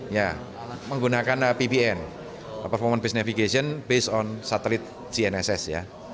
ya menggunakan pbn performance based navigation based on satelit cnss ya